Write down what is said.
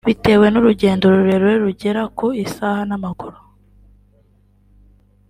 Bitewe n’urugendo rurerure rugera ku isaha n’amaguru